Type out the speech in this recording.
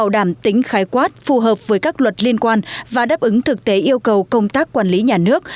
tính khái quát phù hợp với các luật liên quan và đáp ứng thực tế yêu cầu công tác quản lý nhà nước